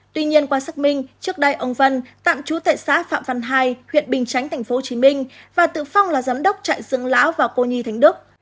tuy nhiên qua xác minh trước đây ông vân tạm trú tại xã phạm văn hai huyện bình chánh tp hcm và tự phong là giám đốc trại dương lão và cô nhi thánh đức